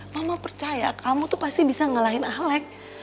mama percaya kamu tuh pasti bisa ngelahin alex